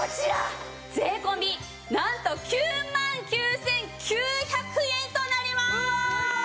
税込なんと９万９９００円となります！